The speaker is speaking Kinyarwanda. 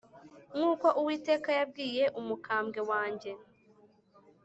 nk’uko Uwiteka yabwiye umukambwe wanjye